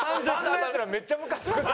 めっちゃムカつくな！